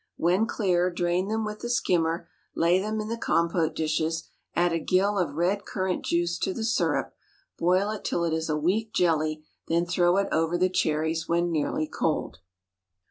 When clear, drain them with the skimmer; lay them in the compote dishes; add a gill of red currant juice to the syrup; boil it till it is a weak jelly; then throw it over the cherries when nearly cold.